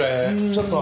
ちょっと。